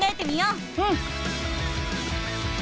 うん。